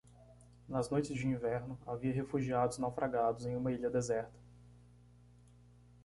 Nas noites de inverno, havia refugiados naufragados em uma ilha deserta.